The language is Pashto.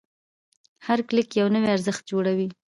هر کلیک یو نوی ارزښت جوړوي.